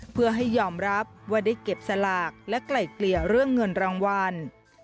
เพื่อให้ยอมรับว่าได้เก็บสลากและไกล่เกลี่ยเรื่องเงินรางวัล